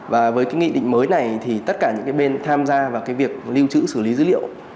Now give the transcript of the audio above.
và với cái nghị định mới này thì tất cả những cái bên tham gia vào cái việc lưu trữ xử lý dữ liệu